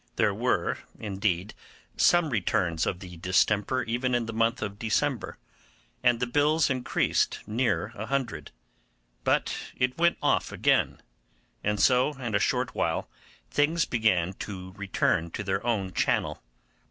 There were indeed some returns of the distemper even in the month of December, and the bills increased near a hundred; but it went off again, and so in a short while things began to return to their own channel.